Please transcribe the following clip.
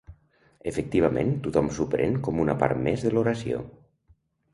Efectivament, tothom s'ho pren com una part més de l'oració.